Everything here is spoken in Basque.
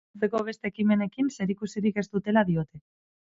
Antzeko beste ekimenekin zerikusirik ez dutela diote.